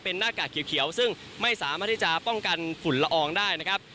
เป็นหน้ากากเขียวซึ่งไม่สามารถที่จะป้องกันฝุ่นละอองได้นะครับ